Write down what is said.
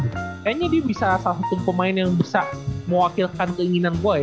kayaknya dia bisa salah satu pemain yang bisa mewakilkan keinginan gue